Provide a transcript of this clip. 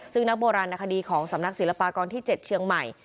ซึ่งนักโบราณคดีของสำนักศิลปากรที่๗เชียงใหม่